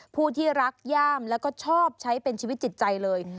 ผู้ที่รักย่ามแล้วก็ชอบใช้เป็นชีวิตจิตใจเลย